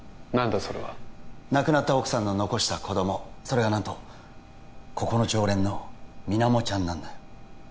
それは亡くなった奥さんの遺した子どもそれが何とここの常連の水面ちゃんなんだよ